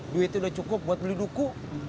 duitnya udah cukup buat beli duku